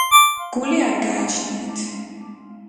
გული არ გააჩნიათ.